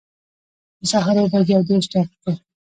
د سهار اووه بجي او دیرش دقیقي